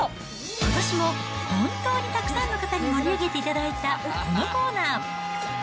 ことしも本当にたくさんの方に盛り上げていただいたこのコーナー。